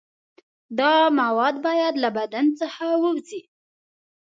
دا مواد باید له بدن څخه ووځي.